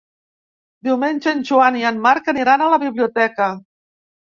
Diumenge en Joan i en Marc aniran a la biblioteca.